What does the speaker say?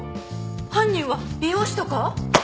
犯人は美容師とか？